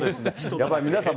やっぱり皆さん